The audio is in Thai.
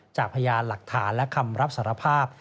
จากพยานหลักฐานและคำรับสารภาพ